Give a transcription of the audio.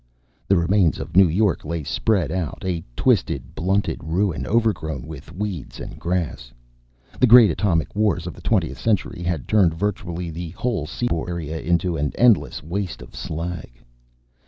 The remains of New York lay spread out, a twisted, blunted ruin overgrown with weeds and grass. The great atomic wars of the twentieth century had turned virtually the whole seaboard area into an endless waste of slag.